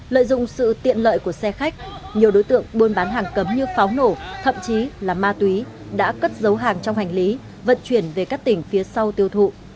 lợi dụng sự tiện lợi của xe khách nhiều đối tượng buôn bán hàng cấm như pháo nổ thậm chí là ma túy đã cất dấu hàng trong hành lý vận chuyển về các tỉnh phía sau tiêu thụ